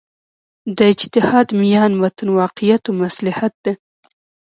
دا اجتهاد میان متن واقعیت و مصلحت ده.